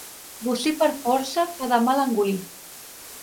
Bocí per força fa de mal engolir.